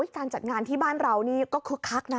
การจัดงานที่บ้านเรานี่ก็คึกคักนะ